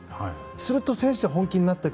すると選手は本気になっていく。